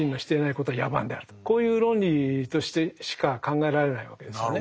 こういう論理としてしか考えられないわけですよね。